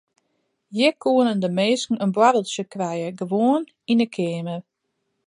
Hjir koenen de minsken in boarreltsje krije gewoan yn de keamer.